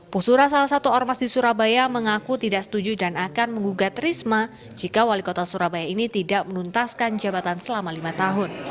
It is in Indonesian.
pusura salah satu ormas di surabaya mengaku tidak setuju dan akan mengugat risma jika wali kota surabaya ini tidak menuntaskan jabatan selama lima tahun